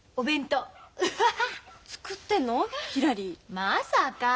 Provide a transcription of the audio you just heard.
まさか。